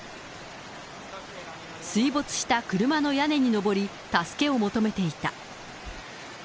水没した車の屋根に上り、助けを求めていた。